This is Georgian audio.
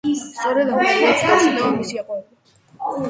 სწორედ ამ პერიოდს უკავშირდება მისი აყვავება.